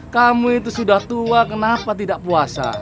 kamu itu sudah tua kenapa tidak puasa